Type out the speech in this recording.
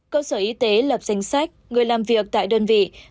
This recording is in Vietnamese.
cơ sở y tế lập danh sách người làm việc tại đơn vị